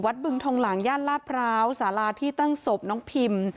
บึงทองหลังย่านลาดพร้าวสาราที่ตั้งศพน้องพิม